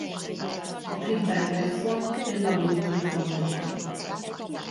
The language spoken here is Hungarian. A klipben Braxton egy labirintusban rohan.